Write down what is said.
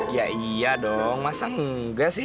ya iya dong masa enggak sih